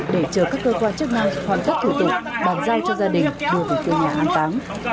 để chờ các cơ quan chức năng hoàn tất thủ tục bàn giao cho gia đình đưa đến cơ nhà an táng